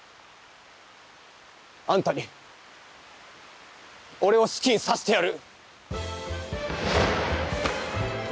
あんたに俺を好きにさせてやる！